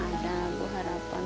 ada gue harapan